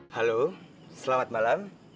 halo selamat malam